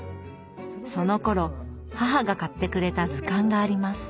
そのころ母が買ってくれた図鑑があります。